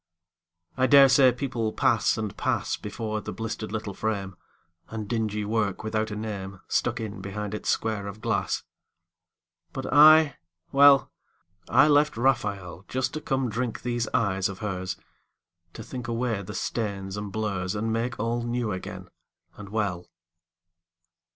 I dare say people pass and pass Before the blistered little frame, And dingy work without a name Stuck in behind its square of glass. But I, well, I left Raphael Just to come drink these eyes of hers, To think away the stains and blurs And make all new again and well.